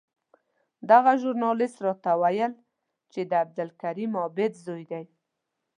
دغه ژورنالېست راته وویل چې د عبدالکریم عابد زوی دی.